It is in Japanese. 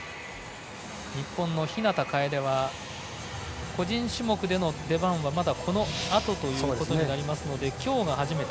日本の日向楓は個人種目での出番はまだこのあとということになりますのできょうが初めて。